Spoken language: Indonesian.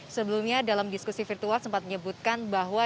sebelumnya dalam diskusi virtual sempat menyebutkan bahwa